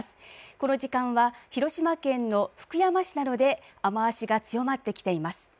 この時間は広島県の福山市などで雨足が強まってきています。